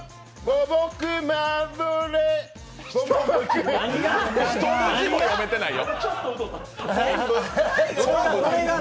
五目ま一文字も読めてないよ。